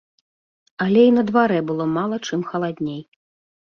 Але і на дварэ было мала чым халадней.